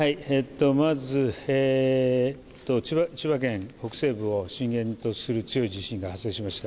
まず、千葉県北西部を震源とする強い地震が発生しました。